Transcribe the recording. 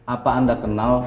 apa anda kenal